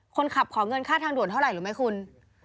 ขอเงินค่าทางด่วนเท่าไหร่รู้ไหมคุณ